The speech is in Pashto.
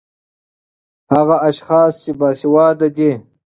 هغه اشحاص چې باسېواده دي